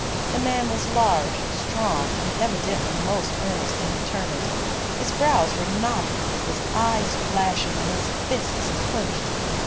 The man was large, strong, and evidently most earnest and determined. His brows were knotted, his eyes flashing, and his fists clenched.